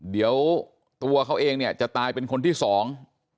เดี๋ยวตัวเขาเองเนี่ยจะตายเป็นคนที่สอง